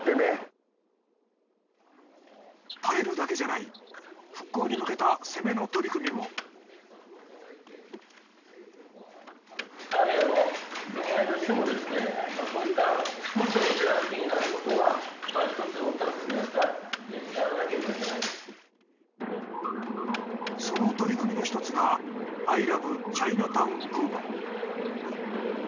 耐えるだけじゃない復興に向けた攻めの取り組みもその取り組みの一つがアイラブチャイナタウンクーポン。